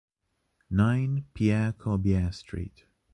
nine Pierre Corbier street